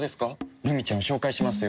ルミちゃんを紹介しますよ。